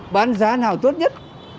bán giá nào tốt nhất